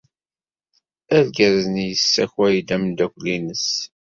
Argaz-nni yessakay-d ameddakel-nnes.